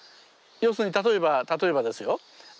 要するに例えば例えばですよ